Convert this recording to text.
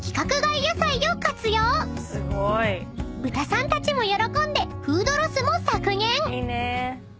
［ブタさんたちも喜んでフードロスも削減］